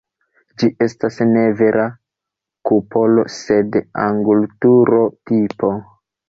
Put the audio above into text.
Ĝi estas ne vera kupolo, sed angulturo-tipo.